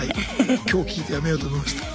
今日聞いてやめようと思いました。